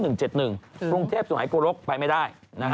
กรุงเทพฯสวัสดิ์โกรกฯไปไม่ได้